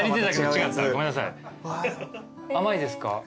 甘いですか？